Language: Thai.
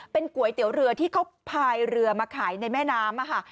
เป็นก๋วยเตี๋ยวเรือที่เขาพายเรือมาขายในแม่น้ำค่ะ